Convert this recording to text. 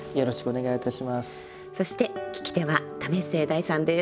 そして聞き手は為末大さんです。